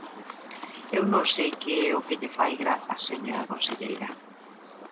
Eu non sei que é o que lle fai graza, señora conselleira.